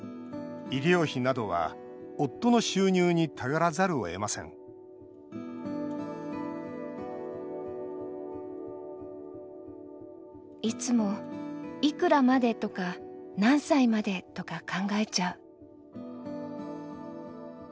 医療費などは夫の収入に頼らざるをえませんいつも、いくらまで、とか何歳まで、とか考えちゃう。